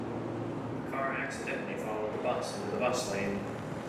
The car accidentally followed the bus into the bus lane.